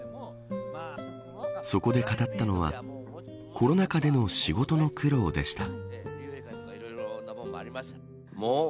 そこで語ったのはコロナ禍での仕事の苦労でした。